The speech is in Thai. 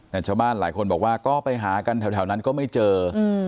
แต่ชาวบ้านหลายคนบอกว่าก็ไปหากันแถวนั้นก็ไม่เจอ